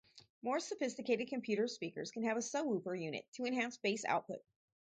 More sophisticated computer speakers can have a subwoofer unit, to enhance bass output.